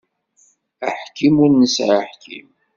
Aḥkim ur nesεi aḥkim.